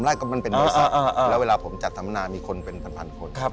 แรกก็มันเป็นบริษัทแล้วเวลาผมจัดสัมมนามีคนเป็นพันคน